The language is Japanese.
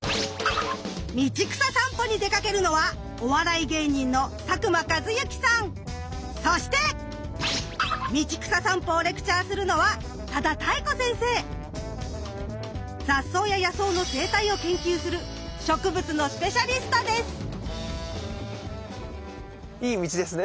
道草さんぽに出かけるのはそして道草さんぽをレクチャーするのは雑草や野草の生態を研究するいい道ですね。